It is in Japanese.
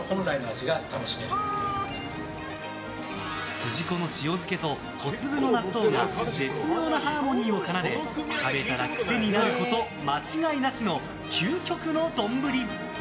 筋子の塩漬けと小粒の納豆が絶妙なハーモニーを奏で食べたら癖になること間違いなしの究極の丼！